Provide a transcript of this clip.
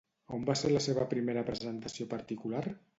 On va ser la seva primera presentació particular?